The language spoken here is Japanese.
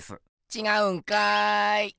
ちがうんかい！